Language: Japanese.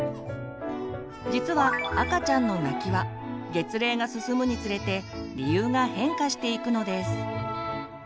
実は赤ちゃんの泣きは月齢が進むにつれて理由が変化していくのです。